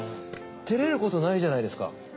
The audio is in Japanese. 照れることないじゃないですか。